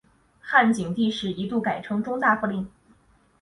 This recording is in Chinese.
汉景帝时一度改称中大夫令。